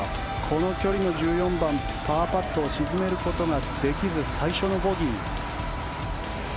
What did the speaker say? この距離の１４番パーパットを沈めることができず最初のボギー。